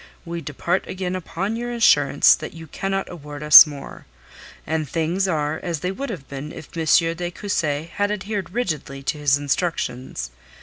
We depart again upon your assurance that you cannot award us more. And things are as they would have been if M. de Cussy had adhered rigidly to his instructions.